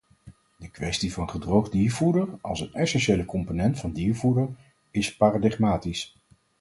De kwestie van gedroogd diervoeder als een essentiële component van diervoeder is paradigmatisch.